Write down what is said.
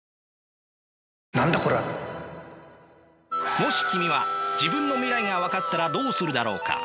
もし君は自分の未来が分かったらどうするだろうか？